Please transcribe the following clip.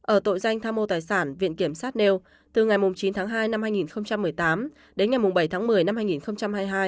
ở tội danh tham mô tài sản viện kiểm sát nêu từ ngày chín tháng hai năm hai nghìn một mươi tám đến ngày bảy tháng một mươi năm hai nghìn hai mươi hai